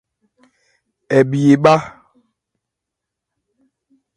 Hɛ bhi ebhá.